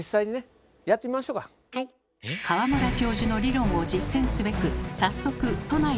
川村教授の理論を実践すべく早速都内の河原へ。